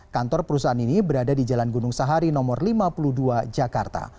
kantor perusahaan ini berada di jalan gunung sahari nomor lima puluh dua jakarta